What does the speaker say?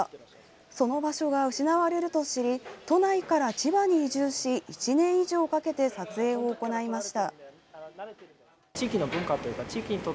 その場所が失われると知り都内から千葉に移住し１年以上かけて撮影を行いました。